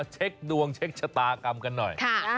เช็คดวงเช็คชะตากรรมกันหน่อย